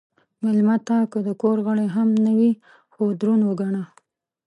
مېلمه ته که د کور غړی هم نه وي، خو دروند وګڼه.